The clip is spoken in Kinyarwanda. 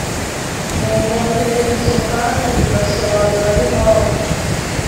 Mu muhezo kandi rugasobanura n impamvu